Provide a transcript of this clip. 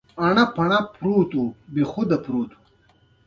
د غنمو په فصل کې گنډیاله شنه کیږي.